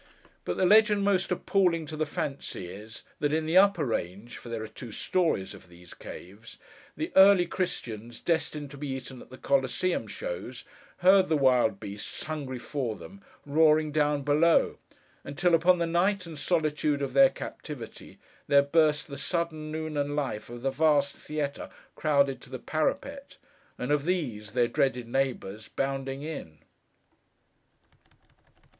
But the legend most appalling to the fancy is, that in the upper range (for there are two stories of these caves) the Early Christians destined to be eaten at the Coliseum Shows, heard the wild beasts, hungry for them, roaring down below; until, upon the night and solitude of their captivity, there burst the sudden noon and life of the vast theatre crowded to the parapet, and of these, their dreaded neighbours, bounding in!